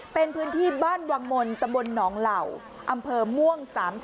เป็นพื้นที่บ้านวังมนต์ตำบลหนองเหล่าอำเภอม่วง๓๐